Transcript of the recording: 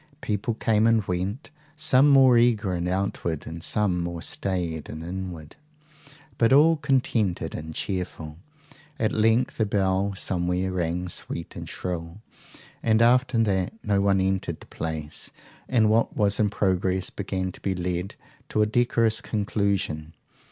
People came and went, some more eager and outward, some more staid and inward, but all contented and cheerful. At length a bell somewhere rang sweet and shrill, and after that no one entered the place, and what was in progress began to be led to a decorous conclusion.